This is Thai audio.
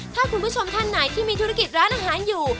ถ้าคุณผู้ชมท่านไหนที่มีธุรกิจร้านอาหารอยู่